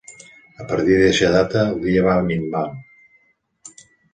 A partir d'eixa data, el dia va minvant.